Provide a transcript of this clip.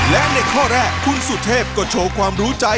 และในข้อแรกคุณสุเทพก็โชว์ความรู้ใจ